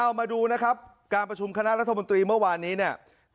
เอามาดูนะครับการประชุมคณะรัฐมนตรีเมื่อวานนี้เนี่ย